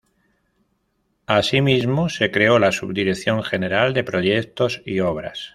Asimismo, se creó la subdirección general de Proyectos y Obras.